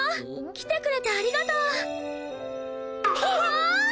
来てくれてありがとう！はうっ！